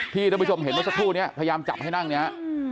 ท่านผู้ชมเห็นเมื่อสักครู่นี้พยายามจับให้นั่งเนี่ย